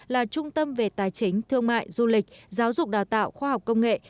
là trung tâm về tài chính thương mại du lịch giáo dục đào tạo khoa học công nghệ